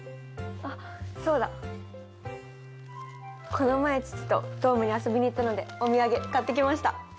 この前父とドームに遊びに行ったのでお土産買ってきました。